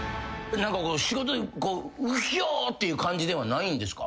仕事うひょ！っていう感じではないんですか？